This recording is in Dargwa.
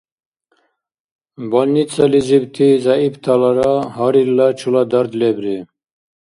Больницализибти зягӀипталара гьарилла чула дард лебри.